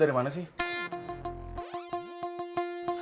bertemu dengan constraints pintunya